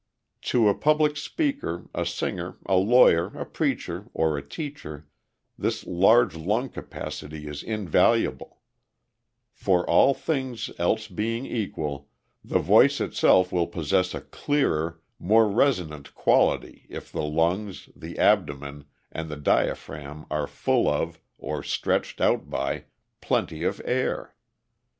To a public speaker, a singer, a lawyer, a preacher, or a teacher, this large lung capacity is invaluable; for, all things else being equal, the voice itself will possess a clearer, more resonant quality if the lungs, the abdomen, and the diaphragm are full of, or stretched out by, plenty of air.